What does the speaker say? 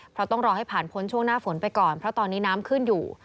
เพราะต้องรอให้ผ่านพ้นช่วงหน้าฝนไปก่อนเพราะตอนนี้น้ำขึ้นอยู่